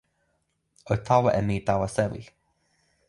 o tawa e mi tawa sewi.